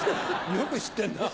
よく知ってんなぁ。